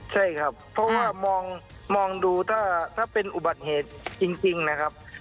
ใช่ครับเพราะว่ามองดูถ้าเป็นอุบัติเหตุจริงนะครับ